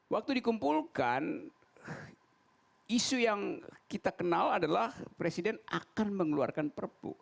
waktu dikumpulkan isu yang kita kenal adalah presiden akan mengeluarkan perpu